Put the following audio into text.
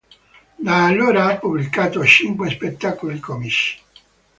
Da allora ha pubblicato cinque spettacoli comici.